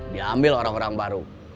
dia ambil orang orang baru